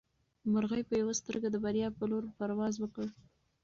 مرغۍ په یوه سترګه د بریا په لور پرواز وکړ.